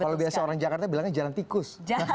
kalau biasa orang jakarta bilangnya jalan tikus